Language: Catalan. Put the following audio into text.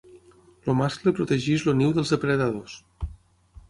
El mascle protegeix el niu dels depredadors.